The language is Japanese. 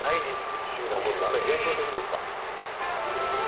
不思議なもんだね幻想的でした。